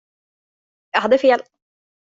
Jag hade fel!